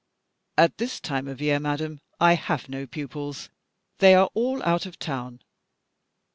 "At this time of year, madam, I have no pupils. They are all out of town."